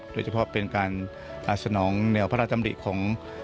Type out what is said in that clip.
โดยเฉพาะเป็นการสนองแนวพระราชดำริของ